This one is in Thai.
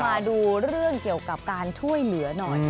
มาดูเรื่องเกี่ยวกับการช่วยเหลือหน่อย